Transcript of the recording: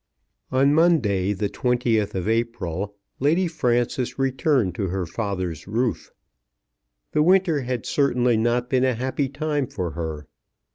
On Monday, the 20th of April, Lady Frances returned to her father's roof. The winter had certainly not been a happy time for her.